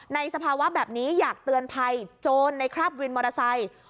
สภาวะแบบนี้อยากเตือนภัยโจรในคราบวินมอเตอร์ไซค์